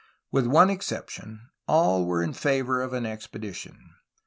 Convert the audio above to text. With one exception all were in favor of an expedition.